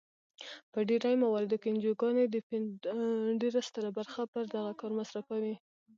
په ډیری مواردو کې انجوګانې د فنډ ډیره ستره برخه پر دغه کار مصرفوي.